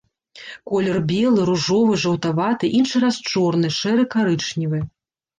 Колер белы, ружовы, жаўтаваты, іншы раз чорны, шэры, карычневы.